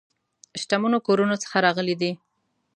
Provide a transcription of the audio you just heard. شتمنو کورونو څخه راغلي دي.